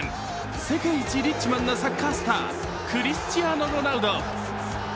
世界一リッチマンなサッカースター、クリスチアーノ・ロナウド。